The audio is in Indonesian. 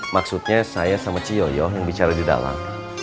maksudnya saya sama ciyoyo yang bicara di dalam